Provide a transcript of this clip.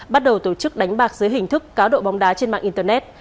bắt đầu tổ chức đánh bạc dưới hình thức cá độ bóng đá trên mạng internet